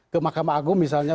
ke makam agung misalnya